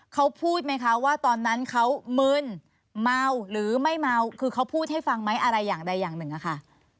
เขาพูดไหมคะว่าตอนนั้นเขามึนเมาหรือไม่เมาคือเขาพูดให้ฟังไหมอะไรอย่างใดอย่างหนึ่งอะค่ะ